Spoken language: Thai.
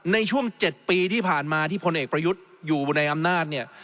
ในช่วง๗ปีที่ผ่านมาที่พลเอกประยุทธ์อยู่ในอำนาจเนี่ย